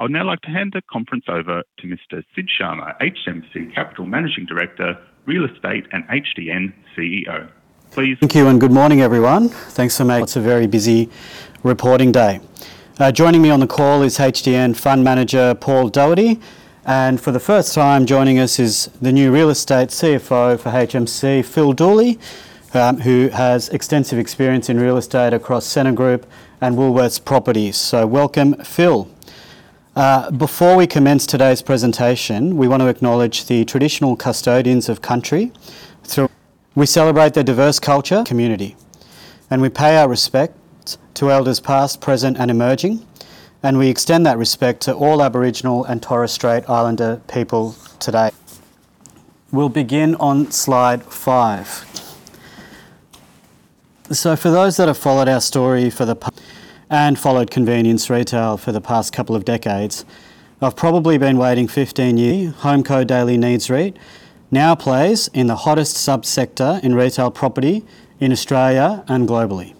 I would now like to hand the conference over to Mr. Sid Sharma, HMC Capital Managing Director, Real Estate, and HDN CEO. Please. Thank you, and good morning, everyone. Thanks for making it a very busy reporting day. Joining me on the call is HDN Fund Manager, Paul Doherty, and for the first time, joining us is the new Real Estate CFO for HMC, Phil Dooley, who has extensive experience in real estate across Scentre Group and Woolworths Properties. So welcome, Phil. Before we commence today's presentation, we want to acknowledge the traditional custodians of country throughout. We celebrate their diverse culture, community, and we pay our respects to elders, past, present, and emerging, and we extend that respect to all Aboriginal and Torres Strait Islander people today. We'll begin on slide 5. So for those that have followed our story and followed convenience retail for the past couple of decades, I've probably been waiting 15 years. HomeCo Daily Needs REIT now plays in the hottest sub-sector in retail property in Australia and globally.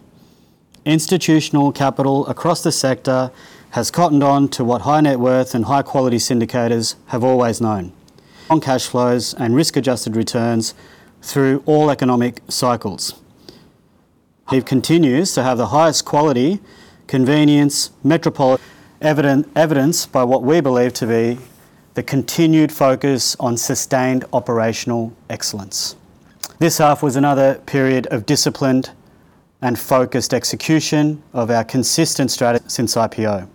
Institutional capital across the sector has cottoned on to what high net worth and high quality syndicators have always known: on cash flows and risk-adjusted returns through all economic cycles. It continues to have the highest quality, convenience, evidenced by what we believe to be the continued focus on sustained operational excellence. This half was another period of disciplined and focused execution of our consistent strategy since IPO.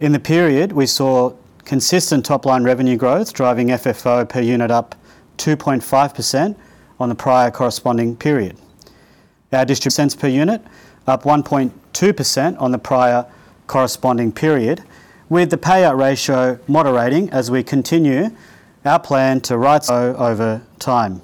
In the period, we saw consistent top-line revenue growth, driving FFO per unit up 2.5% on the prior corresponding period. Our distributions per unit up 1.2% on the prior corresponding period, with the payout ratio moderating as we continue our plan to right size over time.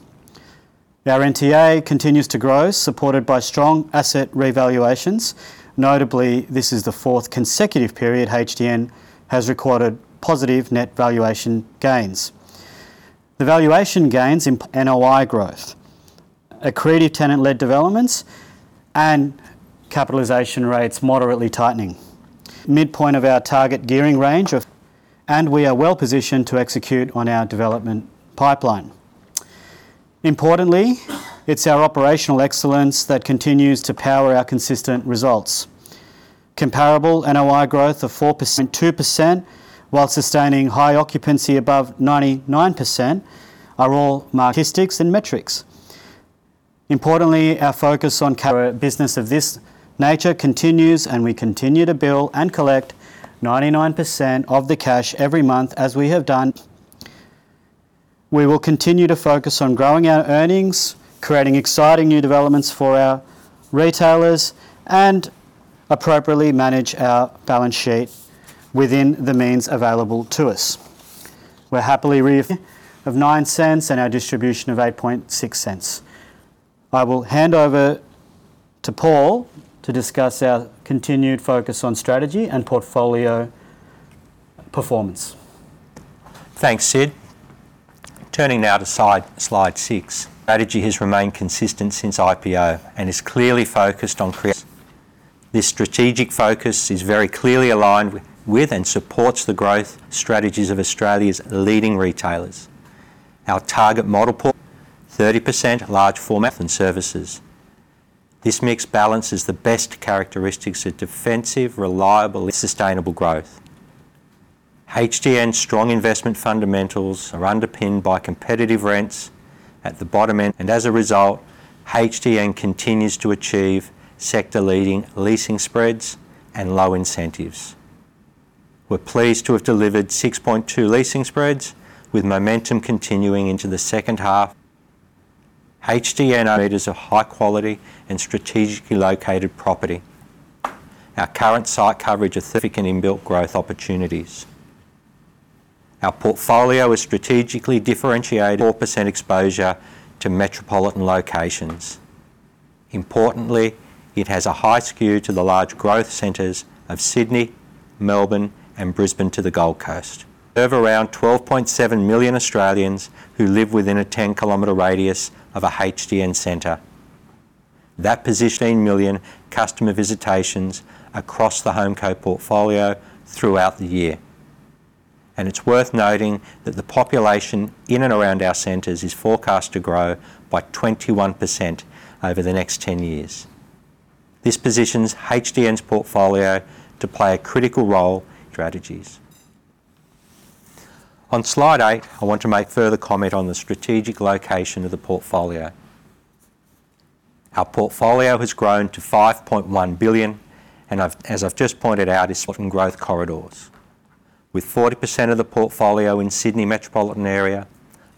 Our NTA continues to grow, supported by strong asset revaluations. Notably, this is the fourth consecutive period HDN has recorded positive net valuation gains. The valuation gains in NOI growth, accretive tenant-led developments, and capitalization rates moderately tightening. Midpoint of our target gearing range and we are well positioned to execute on our development pipeline. Importantly, it's our operational excellence that continues to power our consistent results. Comparable NOI growth of 4%, 2%, while sustaining high occupancy above 99% are all marquee statistics and metrics. Importantly, our focus on cash business of this nature continues, and we continue to bill and collect 99% of the cash every month, as we have done. We will continue to focus on growing our earnings, creating exciting new developments for our retailers, and appropriately manage our balance sheet within the means available to us. We're happily reporting 0.09 and our distribution of 0.086. I will hand over to Paul to discuss our continued focus on strategy and portfolio performance. Thanks, Sid. Turning now to slide 6. Strategy has remained consistent since IPO and is clearly focused on. This strategic focus is very clearly aligned with and supports the growth strategies of Australia's leading retailers. Our target model portfolio: 30% large format and services. This mix balances the best characteristics of defensive, reliable and sustainable growth. HDN's strong investment fundamentals are underpinned by competitive rents at the bottom end, and as a result, HDN continues to achieve sector-leading leasing spreads and low incentives. We're pleased to have delivered 6.2 leasing spreads, with momentum continuing into the second half. HDN is a high quality and strategically located property. Our current site coverage of 30 significant inbuilt growth opportunities. Our portfolio is strategically differentiated 4% exposure to metropolitan locations. Importantly, it has a high skew to the large growth centers of Sydney, Melbourne, and Brisbane to the Gold Coast. Over around 12.7 million Australians who live within a 10-kilometer radius of a HDN center. That position million customer visitations across the HomeCo portfolio throughout the year. It's worth noting that the population in and around our centers is forecast to grow by 21% over the next 10 years. This positions HDN's portfolio to play a critical role strategies. On slide 8, I want to make further comment on the strategic location of the portfolio. Our portfolio has grown to 5.1 billion and I've- as I've just pointed out, is sort of growth corridors, with 40% of the portfolio in Sydney metropolitan area,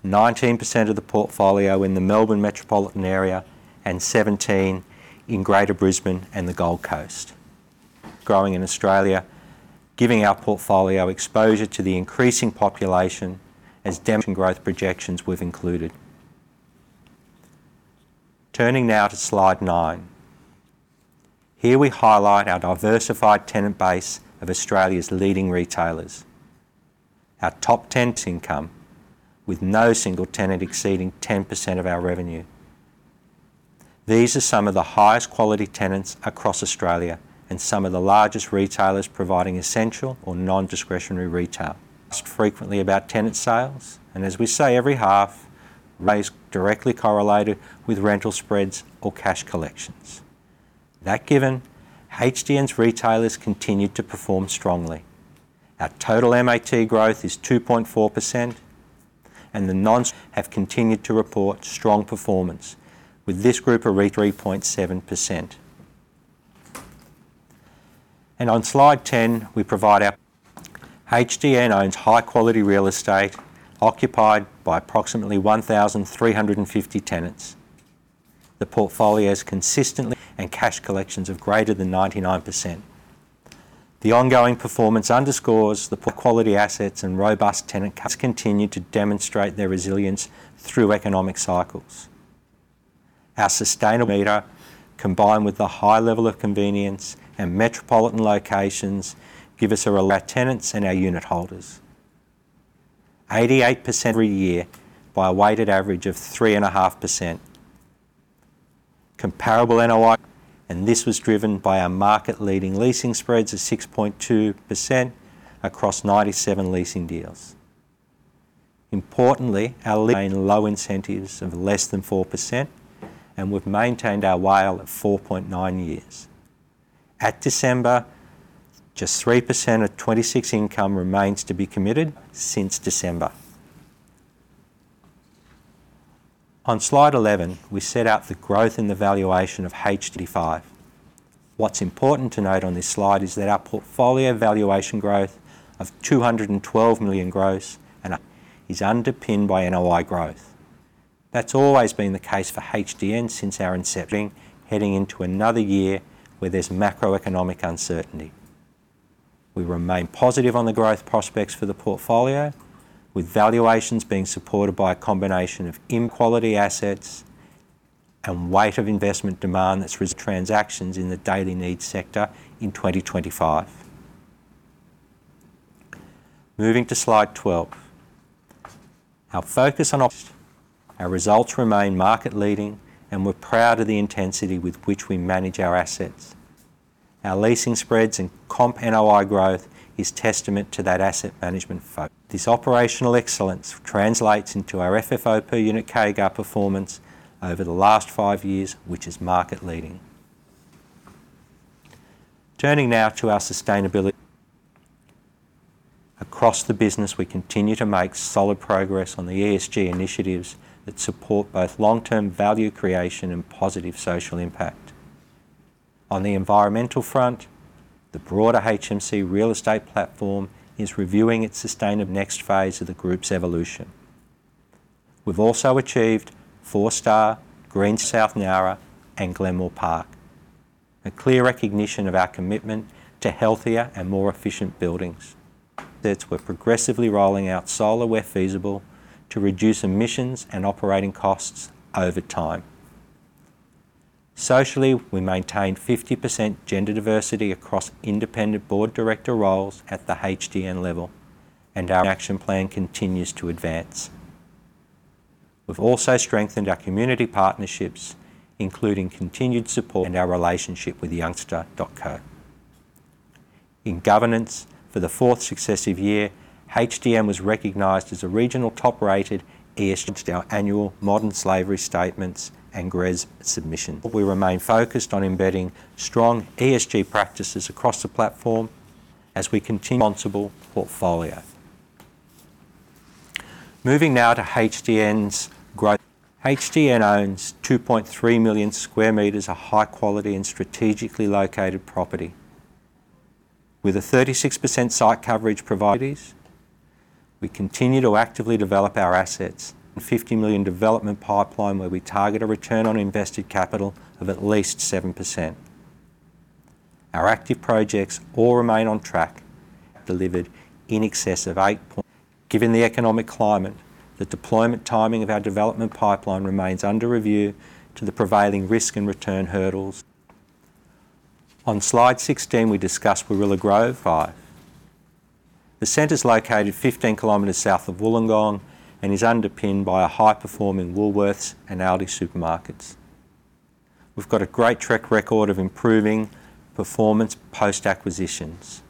19% of the portfolio in the Melbourne metropolitan area, and 17% in Greater Brisbane and the Gold Coast. Growing in Australia, giving our portfolio exposure to the increasing population and demographic growth projections we've included. Turning now to slide 9. Here, we highlight our diversified tenant base of Australia's leading retailers. Our top 10's income, with no single tenant exceeding 10% of our revenue. These are some of the highest quality tenants across Australia and some of the largest retailers providing essential or non-discretionary retail. Frequently about tenant sales, and as we say, every half raise directly correlated with rental spreads or cash collections. That given, HDN's retailers continued to perform strongly. Our total MAT growth is 2.4%, and the non have continued to report strong performance, with this group a rate 3.7%. On slide 10, we provide our HDN owns high-quality real estate occupied by approximately 1,350 tenants. The portfolio is consistently, and cash collections of greater than 99%. The ongoing performance underscores the quality assets and robust tenant continue to demonstrate their resilience through economic cycles. Our sustainable meter, combined with the high level of convenience and metropolitan locations, give us a re our tenants and our unit holders. 88% every year by a weighted average of 3.5%. Comparable NOI, and this was driven by our market-leading leasing spreads of 6.2% across 97 leasing deals. Importantly, our low incentives of less than 4%, and we've maintained our WALE at 4.9 years. At December, just 3% of 2026 income remains to be committed since December. On Slide 11, we set out the growth in the valuation of HD5. What's important to note on this slide is that our portfolio valuation growth of 212 million gross, and is underpinned by NOI growth. That's always been the case for HDN since our inception, heading into another year where there's macroeconomic uncertainty. We remain positive on the growth prospects for the portfolio, with valuations being supported by a combination of in quality assets and weight of investment demand that's transactions in the daily needs sector in 2025. Moving to Slide 12. Our focus on our results remain market leading, and we're proud of the intensity with which we manage our assets. Our leasing spreads and comp NOI growth is testament to that asset management focus. This operational excellence translates into our FFO per unit CAGR performance over the last 5 years, which is market leading. Turning now to our sustainability. Across the business, we continue to make solid progress on the ESG initiatives that support both long-term value creation and positive social impact. On the environmental front, the broader HMC real estate platform is reviewing its sustainability of next phase of the group's evolution. We've also achieved four-star Green Star South Nowra and Glenmore Park, a clear recognition of our commitment to healthier and more efficient buildings. That we're progressively rolling out solar where feasible to reduce emissions and operating costs over time. Socially, we maintain 50% gender diversity across independent board director roles at the HDN level, and our action plan continues to advance. We've also strengthened our community partnerships, including continued support and our relationship with Youngster.co. In governance, for the fourth successive year, HDN was recognized as a regional top-rated ESG. Our annual modern slavery statements and GRESB submission. We remain focused on embedding strong ESG practices across the platform as we continue responsible portfolio. Moving now to HDN's growth. HDN owns 2.3 million sq m of high quality and strategically located property. With a 36% site coverage providers, we continue to actively develop our assets and 50 million development pipeline, where we target a return on invested capital of at least 7%. Our active projects all remain on track, delivered in excess of 8 point. Given the economic climate, the deployment timing of our development pipeline remains under review to the prevailing risk and return hurdles. On slide 16, we discuss Warilla Grove. The center is located 15 kilometers south of Wollongong and is underpinned by a high-performing Woolworths and Aldi supermarkets. We've got a great track record of improving performance post-acquisitions.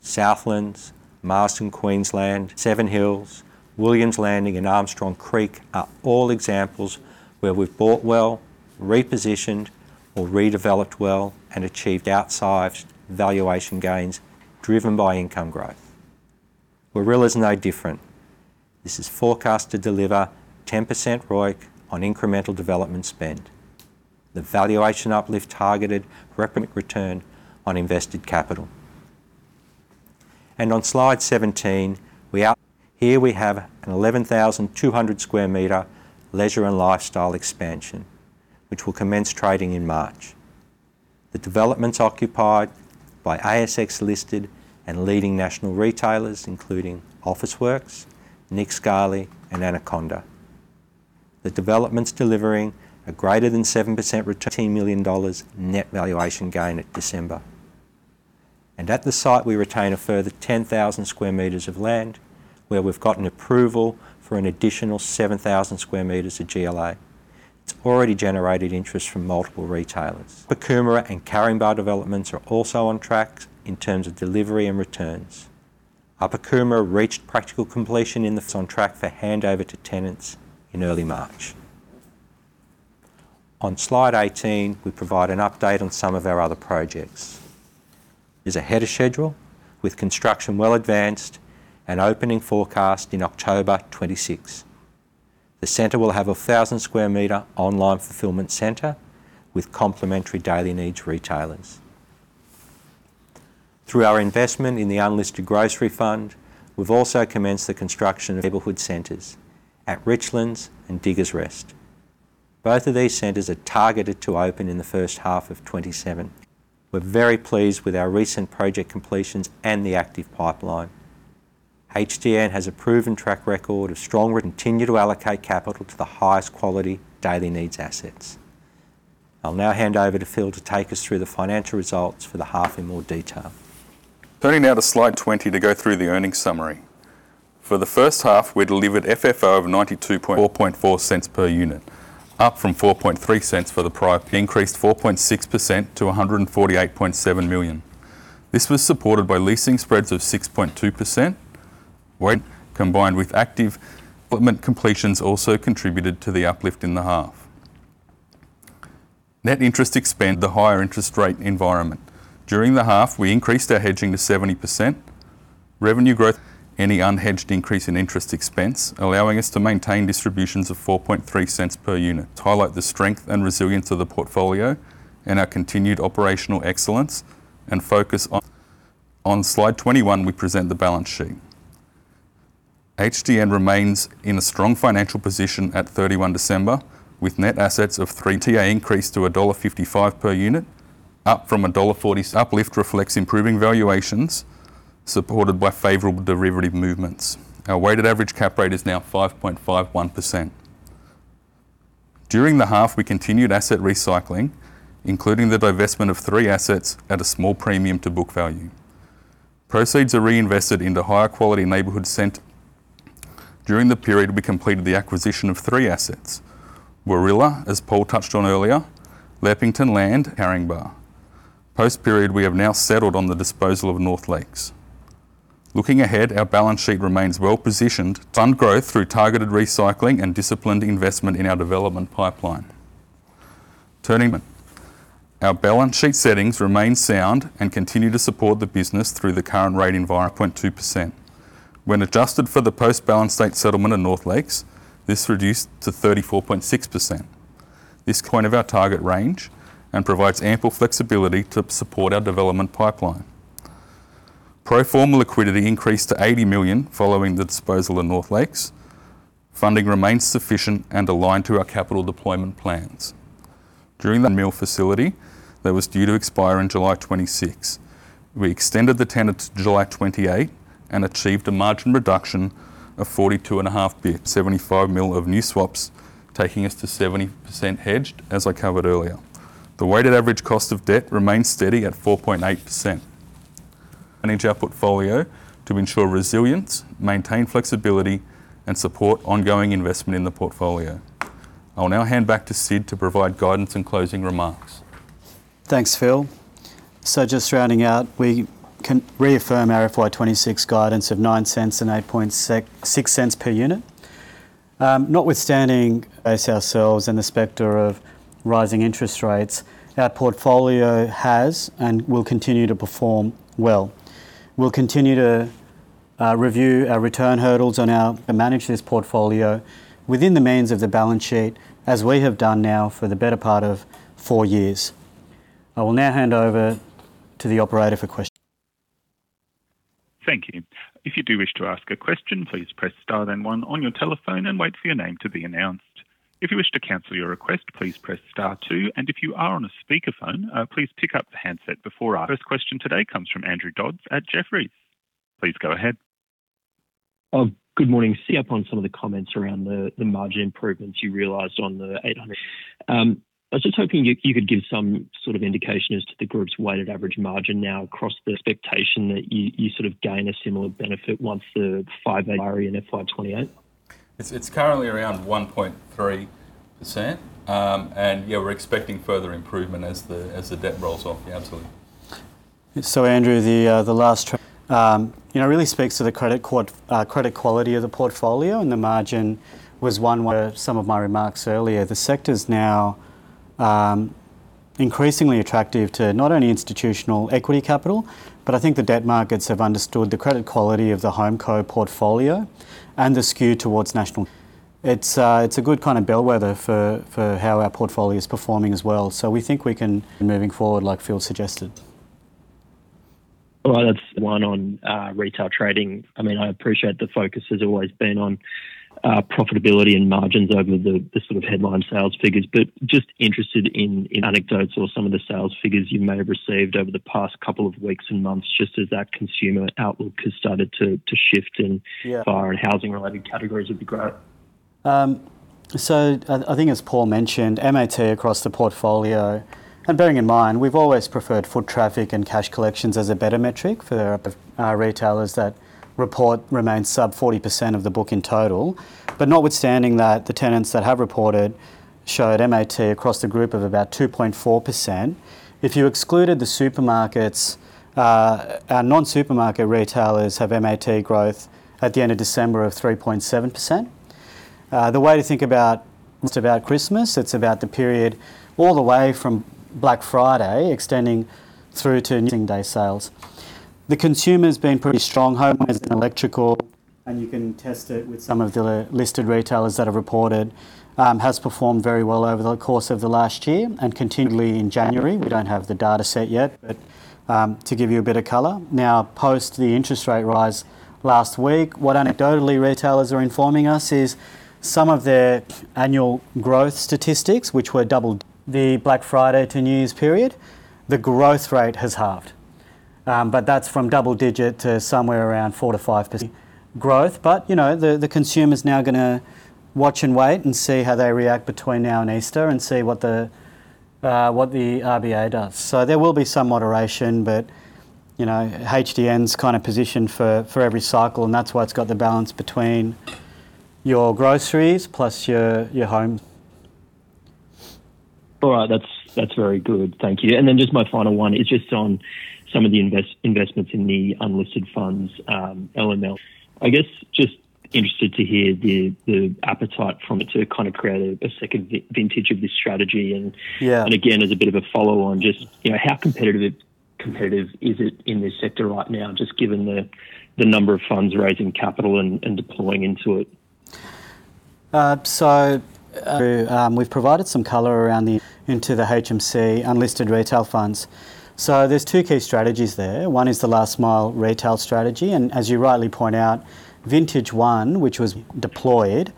Southlands, Marsden, Queensland, Seven Hills, Williams Landing, and Armstrong Creek are all examples where we've bought well, repositioned or redeveloped well, and achieved outside valuation gains driven by income growth. Warilla is no different. This is forecast to deliver 10% ROIC on incremental development spend. The valuation uplift targeted return on invested capital. And on slide 17, here we have an 11,200 square meter leisure and lifestyle expansion, which will commence trading in March. The development's occupied by ASX-listed and leading national retailers including Officeworks, Nick Scali, and Anaconda. The development's delivering a greater than 7% return, 13 million dollars net valuation gain at December.... and at the site, we retain a further 10,000 square meters of land, where we've gotten approval for an additional 7,000 square meters of GLA. It's already generated interest from multiple retailers. Pokolbin and Caringbah developments are also on track in terms of delivery and returns. Our Pokolbin reached practical completion, and it's on track for handover to tenants in early March. On Slide 18, we provide an update on some of our other projects. It is ahead of schedule, with construction well advanced and opening forecast in October 2026. The center will have a 1,000-square-meter online fulfillment center with complementary daily needs retailers. Through our investment in the Unlisted Grocery Fund, we've also commenced the construction of neighborhood centers at Richlands and Diggers Rest. Both of these centers are targeted to open in the first half of 2027. We're very pleased with our recent project completions and the active pipeline. HDN has a proven track record of strong returns and continues to allocate capital to the highest quality daily needs assets. I'll now hand over to Phil to take us through the financial results for the half in more detail. Turning now to Slide 20 to go through the earnings summary. For the first half, we delivered FFO of 0.924 per unit, up from 0.043 for the prior. Increased 4.6% to 148.7 million. This was supported by leasing spreads of 6.2%, where combined with active equipment completions also contributed to the uplift in the half. Net interest expense, the higher interest rate environment. During the half, we increased our hedging to 70%. Revenue growth, any unhedged increase in interest expense, allowing us to maintain distributions of 0.043 per unit, to highlight the strength and resilience of the portfolio and our continued operational excellence and focus on. On Slide 21, we present the balance sheet. HDN remains in a strong financial position at 31 December, with net assets NTA increased to dollar 1.55 per unit, up from dollar 1.40. Uplift reflects improving valuations, supported by favorable derivative movements. Our weighted average cap rate is now 5.51%. During the half, we continued asset recycling, including the divestment of 3 assets at a small premium to book value. Proceeds are reinvested into higher quality neighborhood center. During the period, we completed the acquisition of 3 assets: Warilla, as Paul touched on earlier, Leppington Land, Caringbah. Post-period, we have now settled on the disposal of North Lakes. Looking ahead, our balance sheet remains well-positioned to fund growth through targeted recycling and disciplined investment in our development pipeline. Turning, our balance sheet settings remain sound and continue to support the business through the current rate environment, 0.2%. When adjusted for the post-balance date settlement in North Lakes, this reduced to 34.6%. This point of our target range and provides ample flexibility to support our development pipeline. Pro forma liquidity increased to 80 million, following the disposal of North Lakes. Funding remains sufficient and aligned to our capital deployment plans. During the debt facility that was due to expire in July 2026, we extended the tenant to July 2028 and achieved a margin reduction of 42.5 bps, 75 million of new swaps, taking us to 70% hedged, as I covered earlier. The weighted average cost of debt remains steady at 4.8%. And into our portfolio to ensure resilience, maintain flexibility, and support ongoing investment in the portfolio. I will now hand back to Sid to provide guidance and closing remarks. Thanks, Phil. So just rounding out, we can reaffirm our FY 2026 guidance of 0.09 and 0.0866 per unit. Notwithstanding ourselves and the specter of rising interest rates, our portfolio has and will continue to perform well. We'll continue to review our return hurdles and manage this portfolio within the means of the balance sheet, as we have done now for the better part of four years. I will now hand over to the operator for questions. Thank you. If you do wish to ask a question, please press Star then one on your telephone and wait for your name to be announced. If you wish to cancel your request, please press Star two, and if you are on a speakerphone, please pick up the handset before- First question today comes from Andrew Dodds at Jefferies. Please go ahead. Good morning. See up on some of the comments around the margin improvements you realized on the 800. I was just hoping you could give some sort of indication as to the group's weighted average margin now across the expectation that you sort of gain a similar benefit once the 5A and FY 2028? It's currently around 1.3%. And yeah, we're expecting further improvement as the debt rolls off. Yeah, absolutely. So Andrew, you know, it really speaks to the credit quality of the portfolio, and the margin was one where some of my remarks earlier. The sector's now increasingly attractive to not only institutional equity capital, but I think the debt markets have understood the credit quality of the HomeCo portfolio and the skew towards national. It's a good kind of bellwether for how our portfolio is performing as well. So we think we can, moving forward, like Phil suggested. Well, that's one on retail trading. I mean, I appreciate the focus has always been on profitability and margins over the sort of headline sales figures, but just interested in anecdotes or some of the sales figures you may have received over the past couple of weeks and months, just as that consumer outlook has started to shift in- Yeah... bar and housing-related categories would be great. So I think as Paul mentioned, MAT across the portfolio, and bearing in mind, we've always preferred foot traffic and cash collections as a better metric for our retailers that report remains sub 40% of the book in total. But notwithstanding that, the tenants that have reported showed MAT across the group of about 2.4%. If you excluded the supermarkets, our non-supermarket retailers have MAT growth at the end of December of 3.7%. The way to think about it, it's about Christmas, it's about the period all the way from Black Friday, extending through to New Year's Day sales. The consumer's been pretty strong, home electrical, and you can test it with some of the listed retailers that have reported has performed very well over the course of the last year and continually in January. We don't have the data set yet, but to give you a bit of color. Now, post the interest rate rise last week, what anecdotally retailers are informing us is some of their annual growth statistics, which were doubled the Black Friday to New Year's period, the growth rate has halved. But that's from double-digit to somewhere around 4%-5% growth. But, you know, the consumer is now gonna watch and wait and see how they react between now and Easter and see what the RBA does. So there will be some moderation, but, you know, HDN's kind of positioned for every cycle, and that's why it's got the balance between your groceries plus your home. All right. That's, that's very good. Thank you. And then just my final one is just on some of the investments in the unlisted funds, LML. I guess, just interested to hear the appetite from it to kind of create a second vintage of this strategy. And- Yeah. And again, as a bit of a follow on, just, you know, how competitive is it in this sector right now, just given the, the number of funds raising capital and, and deploying into it? So, we've provided some color around into the HMC unlisted retail funds. So there's two key strategies there. One is the last mile retail strategy, and as you rightly point out, vintage one, which was deployed.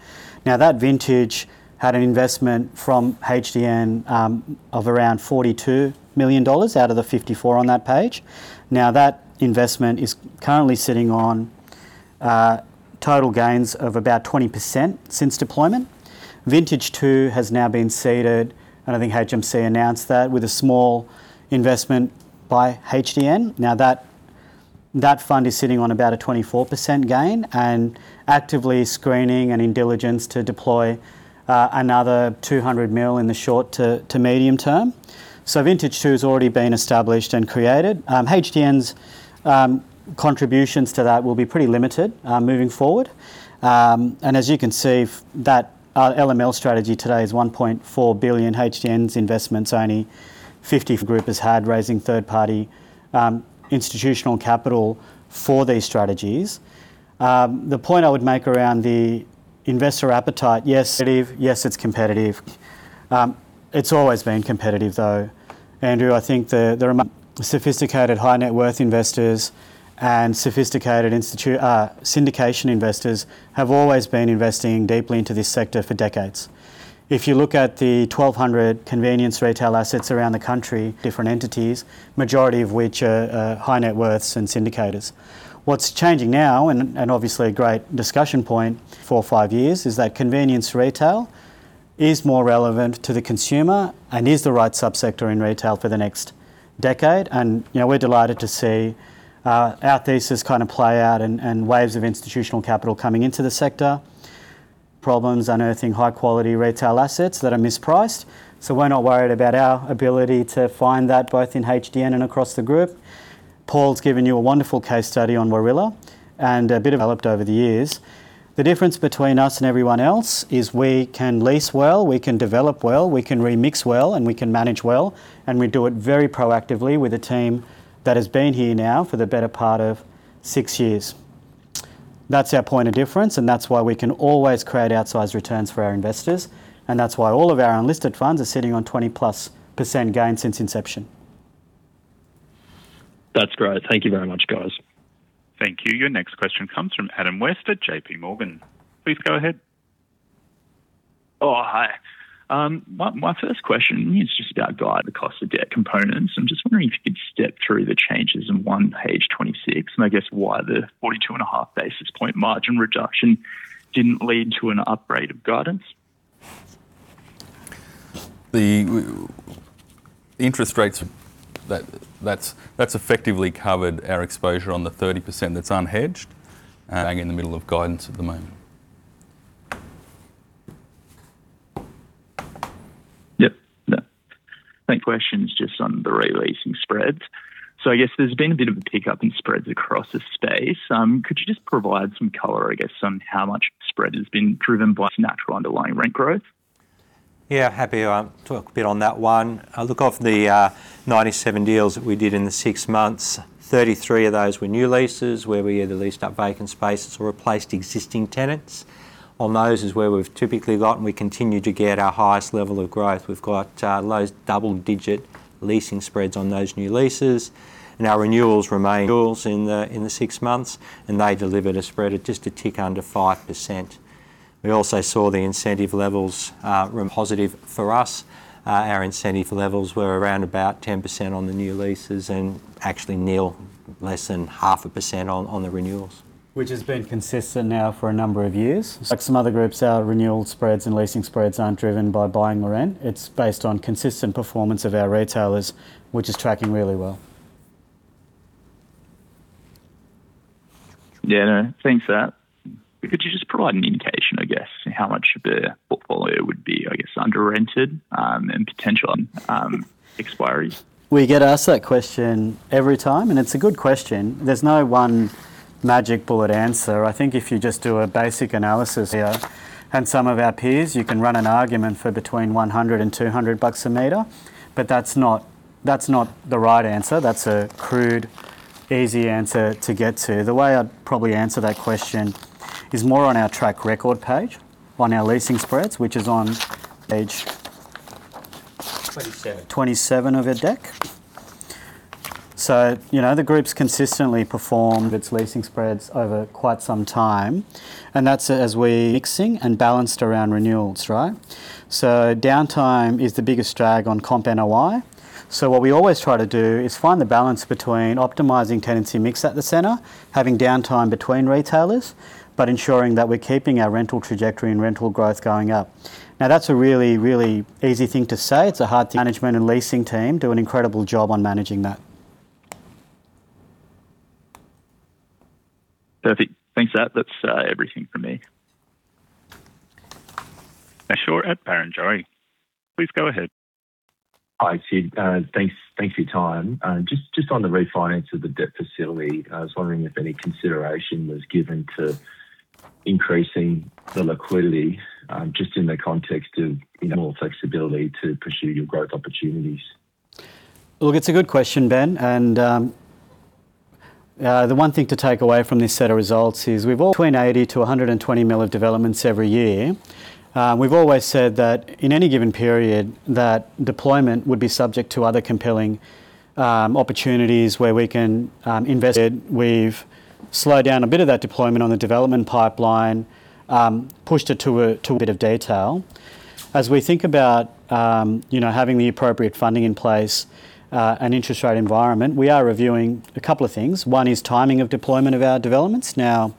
Now, that vintage had an investment from HDN of around 42 million dollars out of the 54 million on that page. Now, that investment is currently sitting on total gains of about 20% since deployment. Vintage two has now been seeded, and I think HMC announced that with a small investment by HDN. Now, that fund is sitting on about a 24% gain and actively screening and in diligence to deploy another 200 million in the short to medium term. So vintage two has already been established and created. HDN's contributions to that will be pretty limited moving forward. And as you can see, that LML strategy today is 1.4 billion. HDN's investments, only 50 group has had raising third-party institutional capital for these strategies. The point I would make around the investor appetite, yes, it is, yes, it's competitive. It's always been competitive, though. Andrew, I think the, the sophisticated high net worth investors and sophisticated institutional syndication investors have always been investing deeply into this sector for decades. If you look at the 1,200 convenience retail assets around the country, different entities, majority of which are high net worth and syndicators. What's changing now, and obviously a great discussion point for 5 years, is that convenience retail is more relevant to the consumer and is the right subsector in retail for the next decade. You know, we're delighted to see our thesis kinda play out and waves of institutional capital coming into the sector. Problems unearthing high-quality retail assets that are mispriced. So we're not worried about our ability to find that, both in HDN and across the group. Paul's given you a wonderful case study on Warilla and a bit developed over the years. The difference between us and everyone else is we can lease well, we can develop well, we can remix well, and we can manage well, and we do it very proactively with a team that has been here now for the better part of six years. That's our point of difference, and that's why we can always create outsized returns for our investors, and that's why all of our unlisted funds are sitting on 20%+ gain since inception. That's great. Thank you very much, guys. Thank you. Your next question comes from Richard Jones at JPMorgan. Please go ahead. Oh, hi. My first question is just about guidance, the cost of debt components. I'm just wondering if you could step through the changes on page 26, and I guess why the 42.5 basis point margin reduction didn't lead to an upgrade of guidance? The interest rates, that's effectively covered our exposure on the 30% that's unhedged, and in the middle of guidance at the moment. Yep. My question is just on the re-leasing spreads. So I guess there's been a bit of a pickup in spreads across the space. Could you just provide some color, I guess, on how much spread has been driven by natural underlying rent growth? Yeah, happy to talk a bit on that one. Look, of the ninety-seven deals that we did in the six months, 33 of those were new leases, where we either leased up vacant spaces or replaced existing tenants. On those is where we've typically got, and we continue to get our highest level of growth. We've got low double-digit leasing spreads on those new leases, and our renewals in the six months, and they delivered a spread at just a tick under 5%. We also saw the incentive levels run positive for us. Our incentive levels were around about 10% on the new leases and actually nil-... less than 0.5% on the renewals. Which has been consistent now for a number of years. Like some other groups, our renewal spreads and leasing spreads aren't driven by buying rent. It's based on consistent performance of our retailers, which is tracking really well. Yeah, no. Thanks for that. Could you just provide an indication, I guess, how much the portfolio would be, I guess, under rented, and potential expiries? We get asked that question every time, and it's a good question. There's no one magic bullet answer. I think if you just do a basic analysis here, and some of our peers, you can run an argument for between 100 and 200 bucks a meter, but that's not, that's not the right answer. That's a crude, easy answer to get to. The way I'd probably answer that question is more on our track record page, on our leasing spreads, which is on page- Twenty-seven. 27 of our deck. So, you know, the group's consistently performed its leasing spreads over quite some time, and that's as we're mixing and balanced around renewals, right? So downtime is the biggest drag on comp NOI. So what we always try to do is find the balance between optimizing tenancy mix at the center, having downtime between retailers, but ensuring that we're keeping our rental trajectory and rental growth going up. Now, that's a really, really easy thing to say. It's a hard management and leasing team do an incredible job on managing that. Perfect. Thanks for that. That's everything for me. Ben Brayshaw at Barrenjoey. Please go ahead. Hi, Sid. Thanks, thanks for your time. Just on the refinance of the debt facility, I was wondering if any consideration was given to increasing the liquidity, just in the context of more flexibility to pursue your growth opportunities. Look, it's a good question, Ben, and the one thing to take away from this set of results is we've always been 80 million-120 million of developments every year. We've always said that in any given period, that deployment would be subject to other compelling opportunities where we can invest. We've slowed down a bit of that deployment on the development pipeline, pushed it to a bit of detail. As we think about you know having the appropriate funding in place, an interest rate environment, we are reviewing a couple of things. One is timing of deployment of our developments. Now,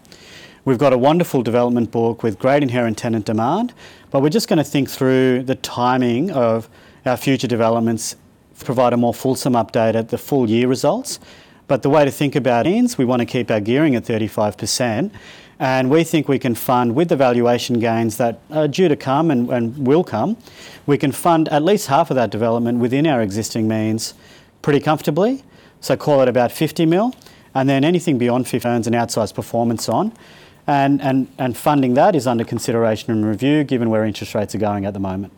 we've got a wonderful development book with great inherent tenant demand, but we're just gonna think through the timing of our future developments to provide a more fulsome update at the full year results. But the way to think about it, we want to keep our gearing at 35%, and we think we can fund with the valuation gains that are due to come and will come, we can fund at least half of that development within our existing means pretty comfortably. So call it about 50 million, and then anything beyond 50 earns an outsized performance on, and funding that is under consideration and review, given where interest rates are going at the moment.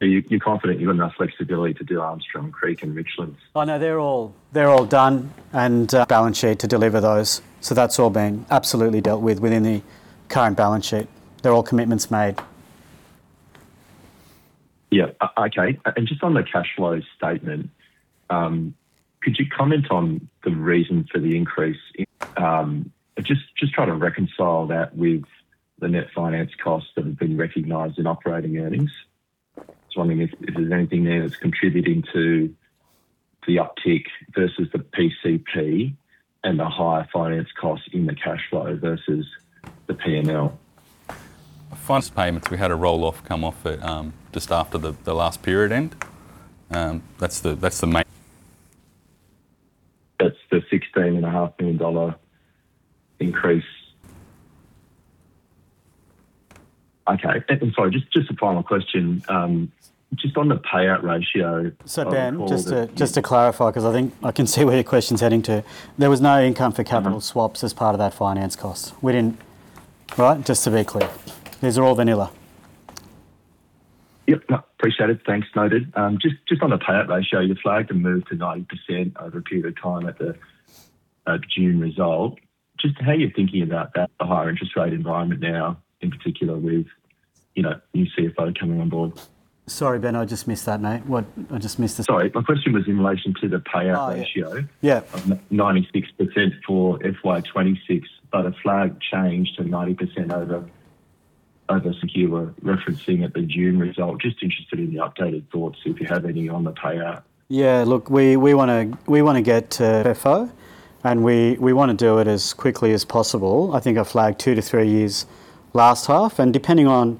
Are you confident you've enough flexibility to do Armstrong, Creek and Richland? Oh, no, they're all, they're all done, and balance sheet to deliver those. So that's all being absolutely dealt with within the current balance sheet. They're all commitments made. Yeah, okay. And just on the cash flow statement, could you comment on the reason for the increase in... Just trying to reconcile that with the net finance costs that have been recognized in operating earnings. Just wondering if there's anything there that's contributing to the uptick versus the PCP and the higher finance cost in the cash flow versus the PNL. Finance payments, we had a roll-off come off at just after the last period end. That's the main- That's the AUD 16.5 million increase. Okay, and so just, just a final question. Just on the payout ratio- So Ben, just to clarify, 'cause I think I can see where your question's heading to. There was no income for capital swaps as part of that finance cost. We didn't... Right? Just to be clear, these are all vanilla. Yep. No, appreciate it. Thanks, noted. Just, just on the payout ratio, you flagged a move to 90% over a period of time at the June result. Just how are you thinking about that, the higher interest rate environment now, in particular with, you know, new CFO coming on board? Sorry, Ben, I just missed that name. What? I just missed the- Sorry, my question was in relation to the payout ratio. Oh, yeah. 96% for FY 2026, but a flag change to 90% over, over secure, referencing at the June result. Just interested in the updated thoughts, if you have any on the payout. Yeah, look, we wanna get to FO, and we wanna do it as quickly as possible. I think I flagged 2-3 years last half, and depending on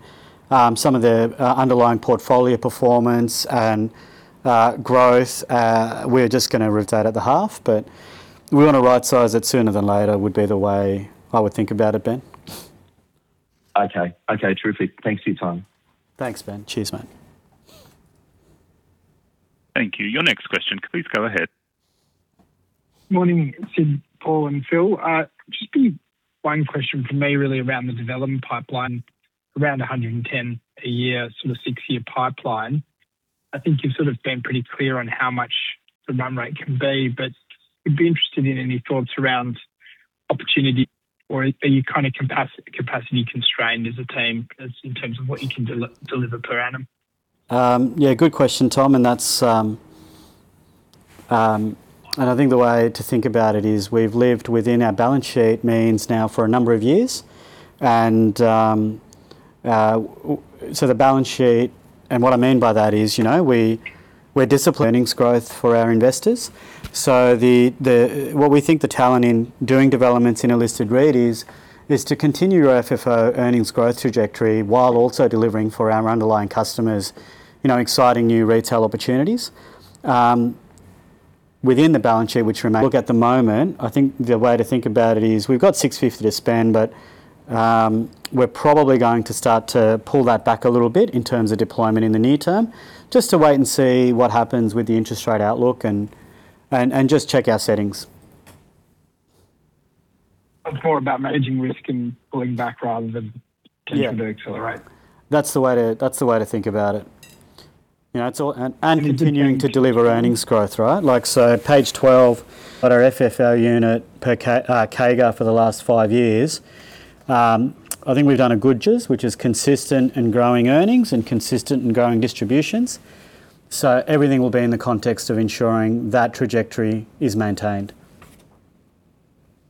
some of the underlying portfolio performance and growth, we're just gonna rotate at the half, but we wanna rightsize it sooner than later, would be the way I would think about it, Ben. Okay. Okay, terrific. Thanks for your time. Thanks, Ben. Cheers, mate. Thank you. Your next question, please go ahead. Morning, Sid, Paul, and Phil. Just one question for me, really, around the development pipeline, around 110 a year, sort of 6-year pipeline. I think you've sort of been pretty clear on how much the run rate can be, but I'd be interested in any thoughts around opportunity, or are you kind of capacity constrained as a team 'cause in terms of what you can deliver per annum? Yeah, good question, Tom, and that's... I think the way to think about it is we've lived within our balance sheet means now for a number of years, and... so the balance sheet, and what I mean by that is, you know, we, we're disciplined earnings growth for our investors. So the, the, what we think the talent in doing developments in a listed REIT is, is to continue our FFO earnings growth trajectory while also delivering for our underlying customers, you know, exciting new retail opportunities, within the balance sheet, which remain. Look, at the moment, I think the way to think about it is we've got 650 to spend, but, we're probably going to start to pull that back a little bit in terms of deployment in the near term, just to wait and see what happens with the interest rate outlook and just check our settings. It's more about managing risk and pulling back rather than- Yeah. Continuing to accelerate. That's the way to, that's the way to think about it. You know, it's all and, and continuing to deliver earnings growth, right? Like, so page 12, at our FFO unit per ca CAGR for the last five years, I think we've done a good job, which is consistent in growing earnings and consistent in growing distributions. So everything will be in the context of ensuring that trajectory is maintained.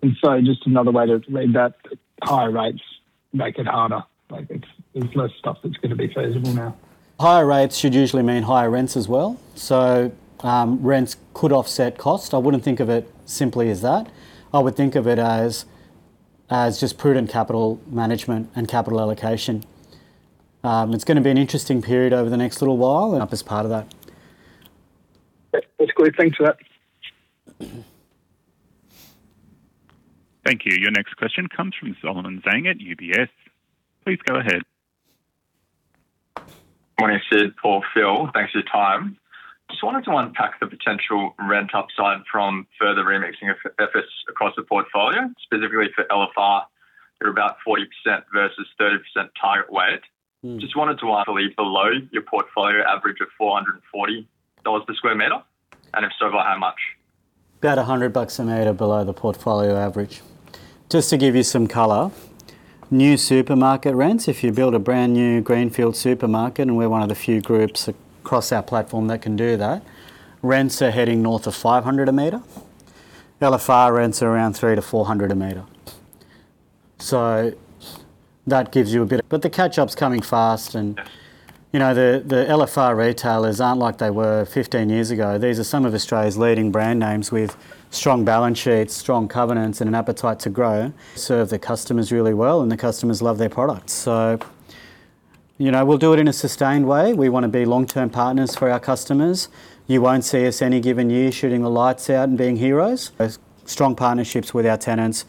Just another way to read that, higher rates make it harder. Like, there's less stuff that's gonna be feasible now. Higher rates should usually mean higher rents as well, so, rents could offset cost. I wouldn't think of it simply as that. I would think of it as just prudent capital management and capital allocation. It's gonna be an interesting period over the next little while, and up as part of that. That's great. Thanks for that. Thank you. Your next question comes from Solomon Zhang at UBS. Please go ahead. Morning, Sid, Paul, Phil, thanks for your time. Just wanted to unpack the potential rent upside from further remixing efforts across the portfolio, specifically for LFR. You're about 40% versus 30% target weight. Mm. Just wanted to ask if it's below your portfolio average of 440 dollars per square meter, and if so, by how much? About 100 bucks a meter below the portfolio average. Just to give you some color, new supermarket rents, if you build a brand-new greenfield supermarket, and we're one of the few groups across our platform that can do that, rents are heading north of 500 a meter. LFR rents are around 300-400 a meter. So that gives you a bit of... But the catch-up's coming fast, and- Yeah... You know, the LFR retailers aren't like they were 15 years ago. These are some of Australia's leading brand names with strong balance sheets, strong covenants, and an appetite to grow. Serve their customers really well, and the customers love their products. So, you know, we'll do it in a sustained way. We wanna be long-term partners for our customers. You won't see us any given year shooting the lights out and being heroes. As strong partnerships with our tenants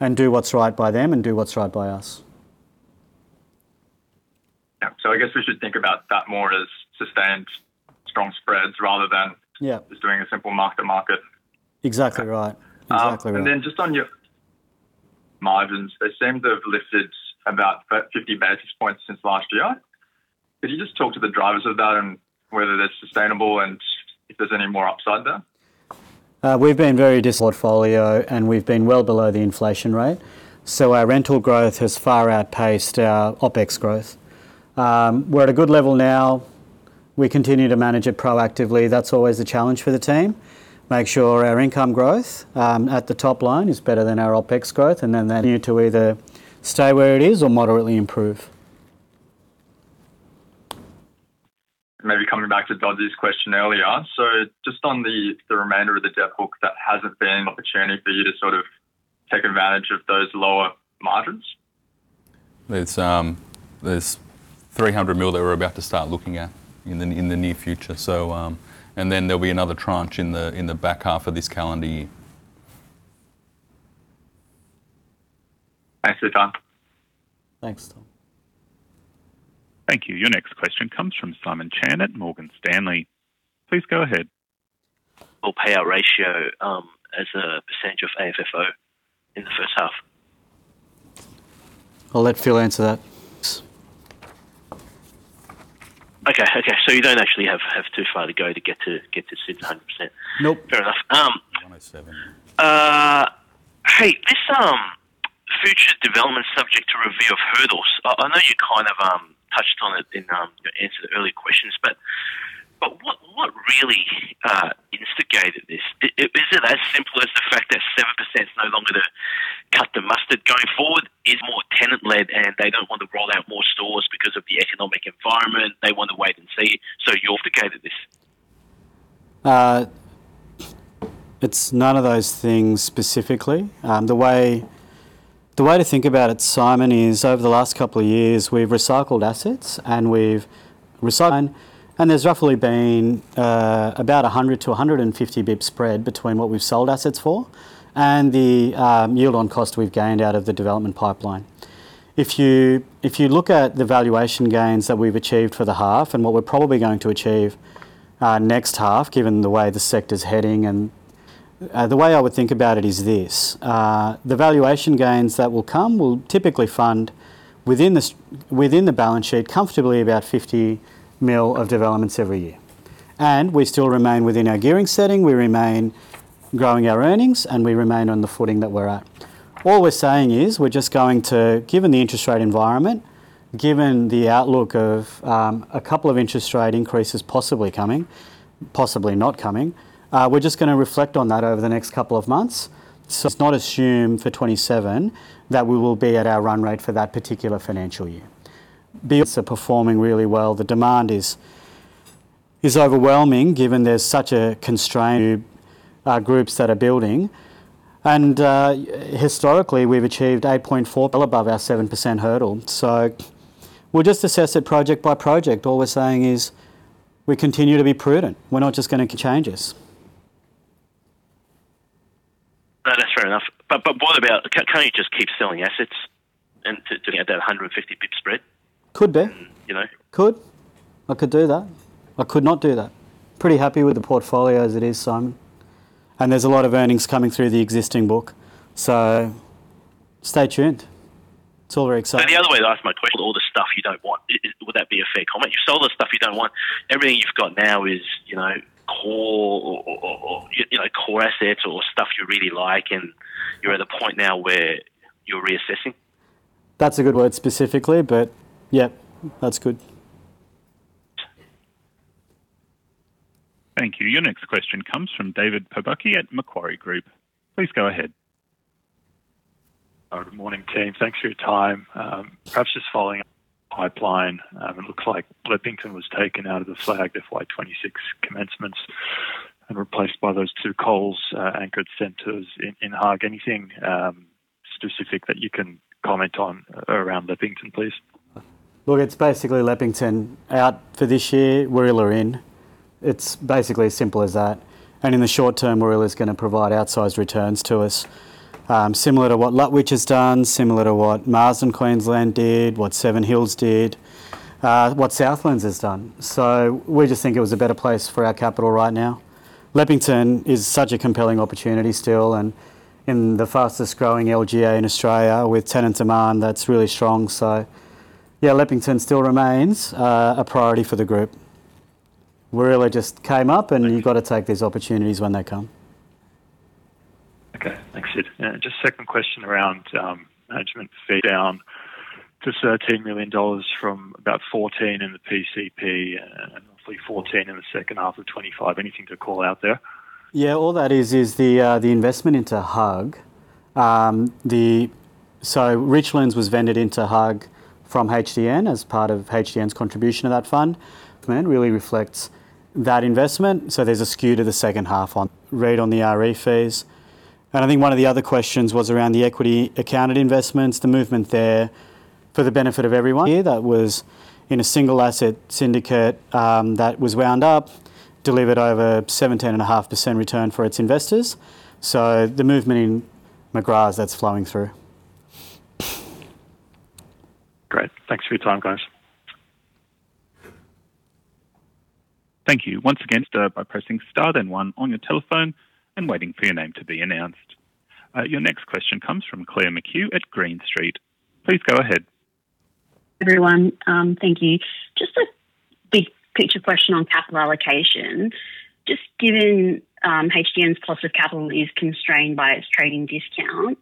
and do what's right by them and do what's right by us. Yeah. So I guess we should think about that more as sustained strong spreads rather than- Yeah - just doing a simple mark to market. Exactly right. Exactly right. And then just on your margins, they seem to have lifted about 50 basis points since last year. Could you just talk to the drivers of that and whether that's sustainable and if there's any more upside there? been very disciplined in our portfolio, and we've been well below the inflation rate, so our rental growth has far outpaced our OpEx growth. We're at a good level now. We continue to manage it proactively. That's always a challenge for the team. Make sure our income growth at the top line is better than our OpEx growth, and then they continue to either stay where it is or moderately improve. Maybe coming back to Dodds's question earlier. So just on the remainder of the debt book, that hasn't been an opportunity for you to sort of take advantage of those lower margins? There's three hundred mil that we're about to start looking at in the near future, so. And then there'll be another tranche in the back half of this calendar year. Thanks for your time. Thanks, Tom. Thank you. Your next question comes from Simon Chan at Morgan Stanley. Please go ahead.... We'll pay our ratio, as a percentage of AFFO in the first half. I'll let Phil answer that. Okay, so you don't actually have too far to go to get to Sid's 100%. Nope. Fair enough. 107. Hey, this future development subject to review of hurdles, I know you kind of touched on it in your answer to the earlier questions, but what really instigated this? Is it as simple as the fact that 7% is no longer to cut the mustard going forward? Is more tenant-led, and they don't want to roll out more stores because of the economic environment, they want to wait and see, so you instigated this? It's none of those things specifically. The way to think about it, Simon, is over the last couple of years, we've recycled assets and we've recycled. And there's roughly been about 100-150 bps spread between what we've sold assets for and the yield on cost we've gained out of the development pipeline. If you look at the valuation gains that we've achieved for the half and what we're probably going to achieve next half, given the way the sector's heading, and the way I would think about it is this: The valuation gains that will come will typically fund within the balance sheet, comfortably about 50 million of developments every year. We still remain within our gearing setting, we remain growing our earnings, and we remain on the footing that we're at. All we're saying is, we're just going to... Given the interest rate environment, given the outlook of a couple of interest rate increases possibly coming, possibly not coming, we're just gonna reflect on that over the next couple of months. So let's not assume for 2027 that we will be at our run rate for that particular financial year. Bills are performing really well. The demand is overwhelming, given there's such a constrained groups that are building. And historically, we've achieved 8.4 well above our 7% hurdle. So we'll just assess it project by project. All we're saying is we continue to be prudent. We're not just gonna change this. No, that's fair enough. But what about, can you just keep selling assets and to get that 150 pip spread? Could be. You know? I could do that. I could not do that. Pretty happy with the portfolio as it is, Simon, and there's a lot of earnings coming through the existing book, so stay tuned. It's all very exciting. Maybe the other way to ask my question, all the stuff you don't want, would that be a fair comment? You've sold the stuff you don't want. Everything you've got now is, you know, core or, you know, core assets or stuff you really like, and you're at a point now where you're reassessing. That's a good word, specifically, but yep, that's good. Thank you. Your next question comes from David Pobucky at Macquarie Group. Please go ahead. Good morning, team. Thanks for your time. Perhaps just following up pipeline, it looks like Leppington was taken out of the plan, the FY 2026 commencements and replaced by those two Coles anchored centers in HUG. Anything specific that you can comment on around Leppington, please? Look, it's basically Leppington out for this year, Warilla in. It's basically as simple as that, and in the short term, Warilla is gonna provide outsized returns to us, similar to what Lutwyche has done, similar to what Mars in Queensland did, what Seven Hills did, what Southlands has done. So we just think it was a better place for our capital right now. Leppington is such a compelling opportunity still, and in the fastest-growing LGA in Australia, with tenant demand, that's really strong. So yeah, Leppington still remains, a priority for the group. Warilla just came up, and you've got to take these opportunities when they come. Okay, thanks, Sid. Just second question around management fee down to AUD 13 million from about 14 million in the PCP and obviously 14 million in the second half of 2025. Anything to call out there? Yeah, all that is, is the the investment into HUG. So Richlands was vended into HUG from HDN as part of HDN's contribution to that fund, and really reflects that investment, so there's a skew to the second half on rate on the REIT phase. I think one of the other questions was around the equity accounted investments, the movement there for the benefit of everyone. Yeah, that was in a single asset syndicate that was wound up, delivered over 17.5% return for its investors, so the movement in McGrath, that's flowing through. Great. Thanks for your time, guys. Thank you. Once again, start by pressing star, then one on your telephone and waiting for your name to be announced. Your next question comes from Clare McHugh at Green Street. Please go ahead. Everyone, thank you. Just a big picture question on capital allocation. Just given HDN's cost of capital is constrained by its trading discount,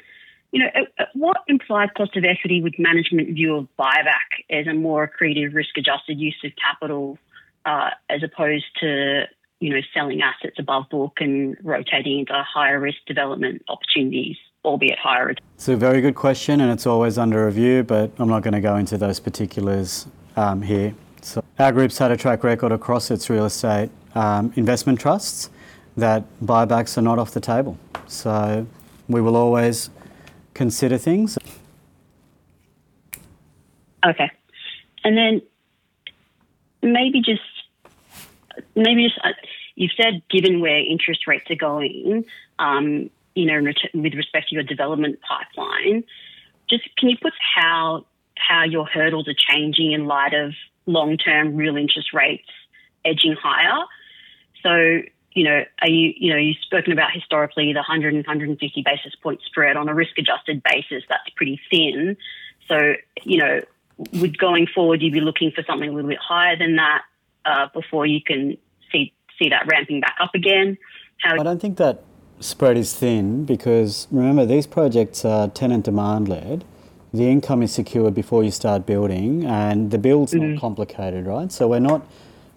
you know, what implied cost of equity would management view of buyback as a more accretive risk-adjusted use of capital, as opposed to, you know, selling assets above book and rotating into higher risk development opportunities, albeit higher- It's a very good question, and it's always under review, but I'm not gonna go into those particulars, here. So our group's had a track record across its real estate, investment trusts, that buybacks are not off the table, so we will always consider things. Okay. And then maybe just, maybe just-- You've said, given where interest rates are going, you know, in re, with respect to your development pipeline, just can you put how, how your hurdles are changing in light of long-term real interest rates edging higher? So, you know, are you, you know, you've spoken about historically the 100 and 150 basis point spread. On a risk-adjusted basis, that's pretty thin. So, you know, would going forward, you'd be looking for something a little bit higher than that, before you can see, see that ramping back up again? How- I don't think that spread is thin because remember, these projects are tenant demand-led. The income is secure before you start building, and the build's- Mm-hmm... not complicated, right? So we're not,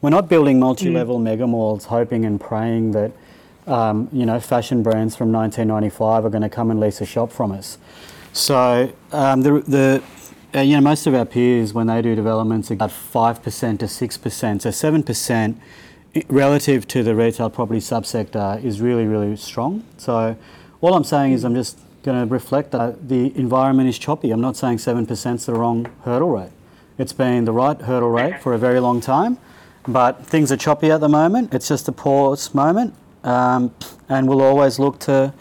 we're not building multi-level mega malls hoping and praying that, you know, fashion brands from 1995 are gonna come and lease a shop from us. So, the, the, you know, most of our peers, when they do developments, are at 5%-6%. So 7%, relative to the retail property sub-sector, is really, really strong. So all I'm saying is I'm just gonna reflect that the environment is choppy. I'm not saying 7%'s the wrong hurdle rate. It's been the right hurdle rate-... for a very long time, but things are choppy at the moment. It's just a pause moment, and we'll always look to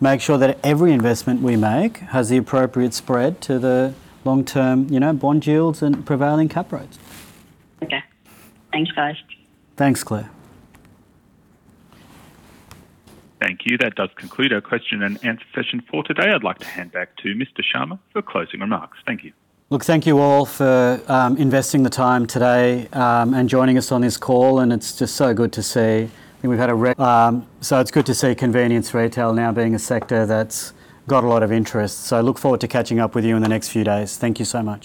make sure that every investment we make has the appropriate spread to the long-term, you know, bond yields and prevailing cap rates. Okay. Thanks, guys. Thanks, Claire. Thank you. That does conclude our question and answer session for today. I'd like to hand back to Mr. Sharma for closing remarks. Thank you. Look, thank you all for investing the time today, and joining us on this call, and it's just so good to see. I think we've had a, so it's good to see convenience retail now being a sector that's got a lot of interest. So I look forward to catching up with you in the next few days. Thank you so much.